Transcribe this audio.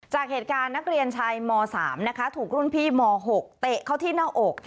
จากเหตุการณ์นักเรียนชายม๓นะคะถูกรุ่นพี่ม๖เตะเข้าที่หน้าอก